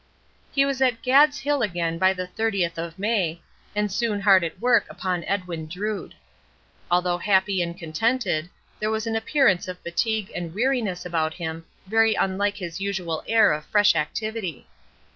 He was at "Gad's Hill" again by the thirtieth of May, and soon hard at work upon "Edwin Drood." Although happy and contented, there was an appearance of fatigue and weariness about him very unlike his usual air of fresh activity.